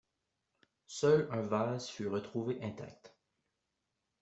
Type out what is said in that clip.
Seul un vase fut retrouvé intact.